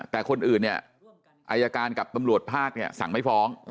แต่คนอื่นเนี่ยอายการกับตำรวจภาคเนี่ยสั่งไม่ฟ้อง